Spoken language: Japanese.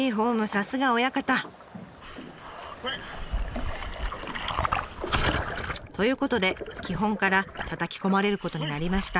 さすが親方。ということで基本からたたき込まれることになりました。